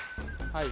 はい。